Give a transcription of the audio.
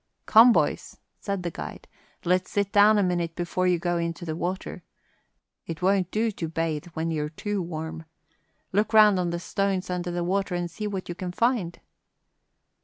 "Come, boys," said the guide, "let's sit down a minute before you go into the water. It won't do to bathe when you're too warm. Look round on the stones under the water and see what you can find."